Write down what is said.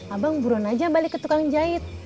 abang buron aja balik ke tukang jahit